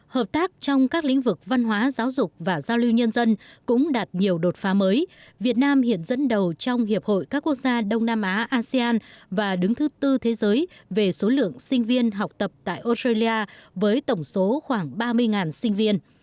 hợp tác trong các lĩnh vực văn hóa giáo dục và giao lưu nhân dân cũng đạt nhiều đột phá mới việt nam hiện dẫn đầu trong hiệp hội các quốc gia đông nam á asean và đứng thứ tư thế giới về số lượng sinh viên học tập tại australia với tổng số khoảng ba mươi sinh viên